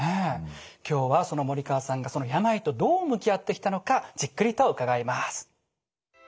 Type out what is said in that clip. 今日はその森川さんが病とどう向き合ってきたのかじっくりと伺います。